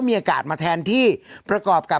มีอากาศมาแทนที่ประกอบกับ